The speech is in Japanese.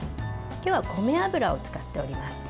今日は米油を使っております。